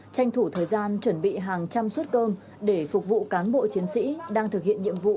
tranh thủ thời gian chuẩn bị hàng trăm suất cơm để phục vụ cán bộ chiến sĩ đang thực hiện nhiệm vụ